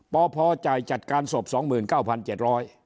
พพจ่ายจัดการศพ๒๙๗๐๐บาท